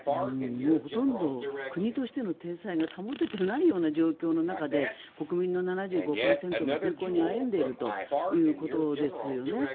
もうほとんど国としての体裁が保ててないような状況の中で国民の７５％が貧困にあえいでいるということですね。